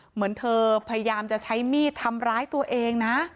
เหมือนเธอพยายามจะใช้มีดทำร้ายตัวเองนะ